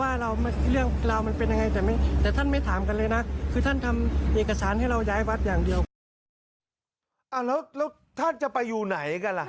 อ่าแล้วแล้วท่านจะไปอยู่ไหนกันล่ะ